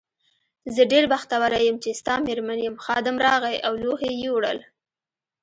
زه ډېره بختوره یم چې ستا مېرمن یم، خادم راغی او لوښي یې یووړل.